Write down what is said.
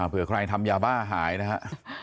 เผื่อใครทำยาบ้าหายนะฮะ